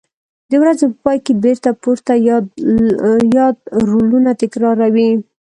د ورځې په پای کې بېرته پورته یاد رولونه تکراروي.